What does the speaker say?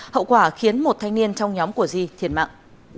hậu quả khiến một thanh niên trong nhóm của di thiệt mạng